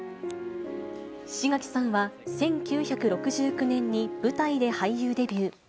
志垣さんは１９６９年に舞台で俳優デビュー。